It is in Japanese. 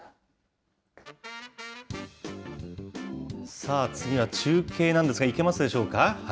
さあ、次は中継なんですが、いけますでしょうか。